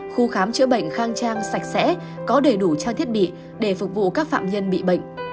khu khám chữa bệnh khang trang sạch sẽ có đầy đủ trang thiết bị để phục vụ các phạm nhân bị bệnh